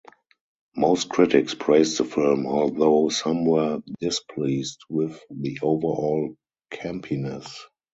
Most critics praised the film, although some were displeased with the overall campiness.